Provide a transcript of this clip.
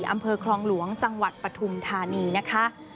อำเภอคลองหลวงจังหวัดปฐุมธานีนะคะ